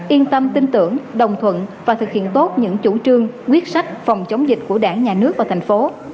yên tâm tin tưởng đồng thuận và thực hiện tốt những chủ trương quyết sách phòng chống dịch của đảng nhà nước và thành phố